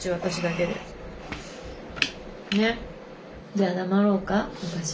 じゃあ黙ろうか私。